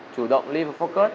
chủ động leave focus